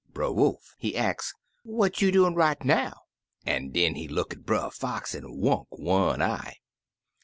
Brer Wolf, he ax, 'What you doin' right now?' an' den he look at Brer Fox an' wunk one eye.